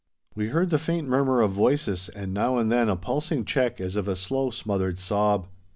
We heard the faint murmur of voices and now and then a pulsing check as of a slow, smothered sob.